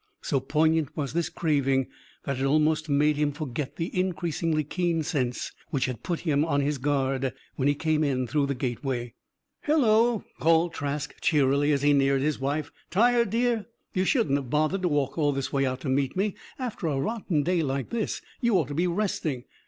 So poignant was this craving that it almost made him forget the increasingly keen scents which had put him on his guard when he came in through the gateway. "Hello!" called Trask, cheerily, as he neared his wife. "Tired, dear? You shouldn't have bothered to walk all this way out to meet me. After a rotten day like this, you ought to be resting....